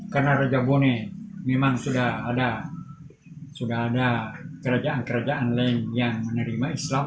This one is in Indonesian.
karena raja boneh memang sudah ada kerajaan kerajaan lain yang menerima islam